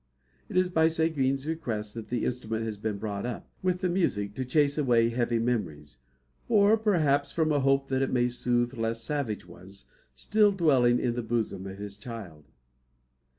It is by Seguin's request that the instrument has been brought up, with the music, to chase away heavy memories; or, perhaps, from a hope that it may soothe those savage ones still dwelling in the bosom of his child.